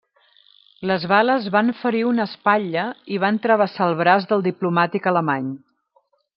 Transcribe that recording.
Les bales van ferir una espatlla i van travessar el braç del diplomàtic alemany.